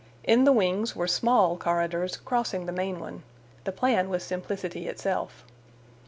In the wings were small corridors crossing the main one—the plan was simplicity itself.